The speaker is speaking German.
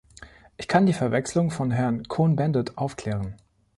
Ich kann die Verwechslung von Herrn Cohn-Bendit aufklären.